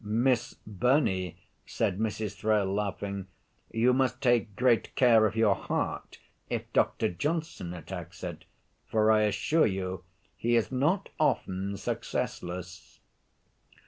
"Miss Burney," said Mrs. Thrale, laughing, "you must take great care of your heart if Dr. Johnson attacks it; for I assure you he is not often successless."